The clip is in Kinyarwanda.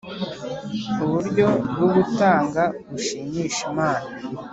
Uburyo bwo gutanga bushimisha Imana